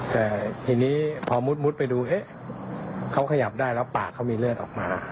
แต่ทีนี้พอมุดไปดูเอ๊ะเขาขยับได้แล้วปากเขามีเลือดออกมา